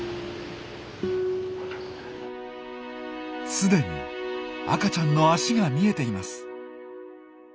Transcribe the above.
既に赤ちゃんの足が見えています。